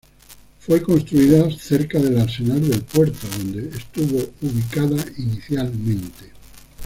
Fue construida cerca del Arsenal del puerto, donde estuvo ubicada inicialmente.